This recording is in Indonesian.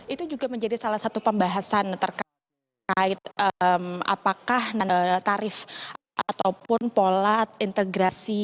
itu juga menjadi salah satu pembahasan terkait apakah tarif ataupun pola integrasi